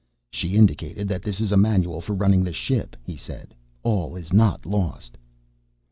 "She indicated that this is a manual for running the ship," he said. "All is not lost."